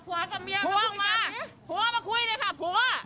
ผัวกับเมียมาคุยกันเลยค่ะผัว